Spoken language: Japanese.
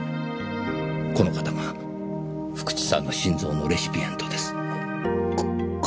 この方が福地さんの心臓のレシピエントです。